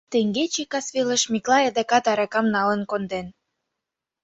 Теҥгече кас велеш Миклай адакат аракам налын конден.